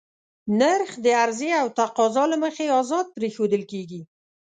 نرخ د عرضې او تقاضا له مخې ازاد پرېښودل کېږي.